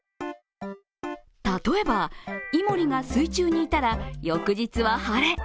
例えば、イモリが水中にいたら翌日は晴れ。